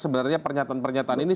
sebenarnya pernyataan pernyataan ini